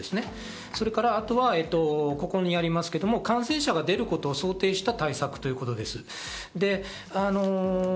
それから、ここにありますけど感染者が出ることを想定した対策ということです。